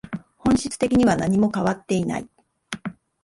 本質的には何も変わっていない